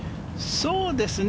そうですね。